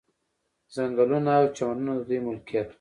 ځنګلونه او چمنونه د دوی ملکیت وو.